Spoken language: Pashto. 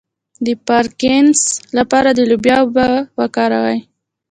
د پارکینسن لپاره د لوبیا اوبه وکاروئ